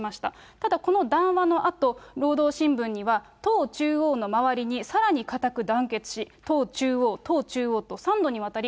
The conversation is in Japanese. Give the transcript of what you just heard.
ただ、この談話のあと、労働新聞には、党中央の周りにさらに固く団結し、党中央、党中央と、３度にわたり、